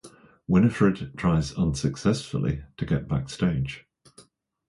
Winifred tries unsuccessfully to get backstage.